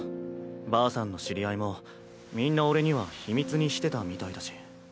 ばあさんの知り合いもみんな俺には秘密にしてたみたいだし。